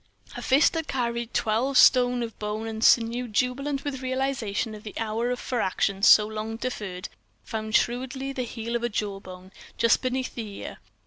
A fist, that carried twelve stone of bone and sinew jubilant with realization of the hour for action so long deferred, found shrewdly the heel of a jawbone, just beneath the ear.